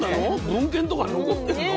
文献とか残ってんの？